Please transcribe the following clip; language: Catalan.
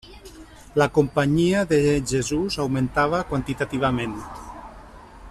La Companyia de Jesús augmentava quantitativament.